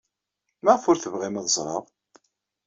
Maɣef ur tebɣim ad ẓreɣ?